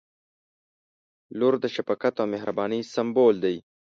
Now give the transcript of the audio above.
• لور د شفقت او مهربانۍ سمبول دی.